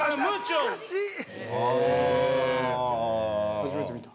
◆初めて見た。